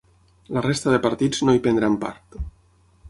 La resta de partits no hi prendran part.